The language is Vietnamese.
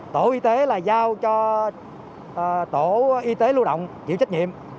tổ y tế là giao cho tổ y tế lưu động chịu trách nhiệm